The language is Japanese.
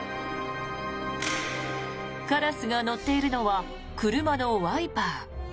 カラスが乗っているのは車のワイパー。